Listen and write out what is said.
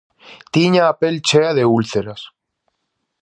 Tiña a pel chea de úlceras.